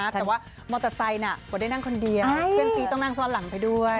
แต่ว่ามอเตอร์ไซค์กว่าได้นั่งคนเดียวเพื่อนซีต้องนั่งซ่อนหลังไปด้วย